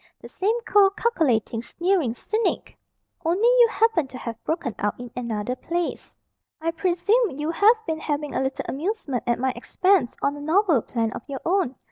The same cold, calculating, sneering cynic. Only you happen to have broken out in another place. I presume you have been having a little amusement at my expense on a novel plan of your own.